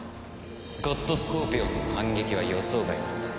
ゴッドスコーピオンの反撃は予想外だった。